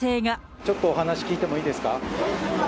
ちょっとお話聞いてもいいですか？